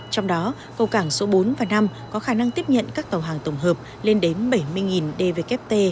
trong đó cầu cảng số bốn và năm có khả năng tiếp nhận các tàu hàng tổng hợp lên đến bảy mươi dvkt